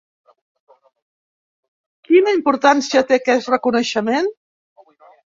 Quina importància té aquest reconeixement?